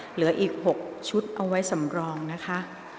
เหลืออีก๖ชุดเอาไว้สำรองนะคะ